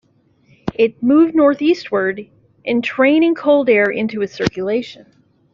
It moved northeastward, entraining cold air into its circulation.